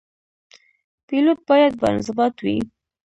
پیلوټ باید باانضباط وي.